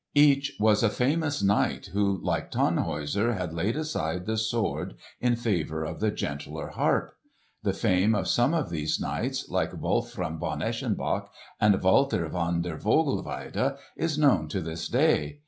Each was a famous knight who like Tannhäuser had laid aside the sword in favour of the gentler harp. The fame of some of these knights, like Wolfram von Eschenbach and Walter von der Vogelweide, is known to this day.